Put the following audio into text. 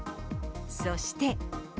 そして。